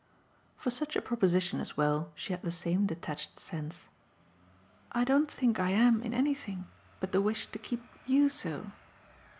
For such a proposition as well she had the same detached sense. "I don't think I am in anything but the wish to keep YOU so."